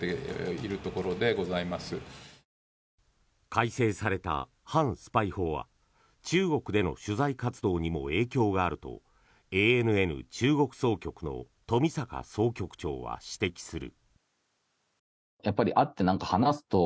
改正された反スパイ法は中国での取材活動にも影響があるとＡＮＮ中国総局の冨坂総局長は指摘する。